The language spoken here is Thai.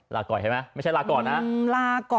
ลาก่อยเห็นไหมไม่ใช่ลาก่อนนะ